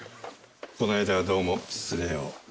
この間はどうも失礼を。